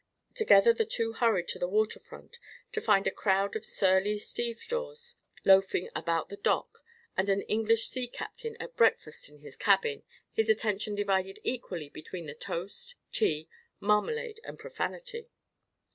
Together the two hurried to the water front to find a crowd of surly stevedores loafing about the dock, and an English sea captain at breakfast in his cabin, his attention divided equally between toast, tea, marmalade and profanity.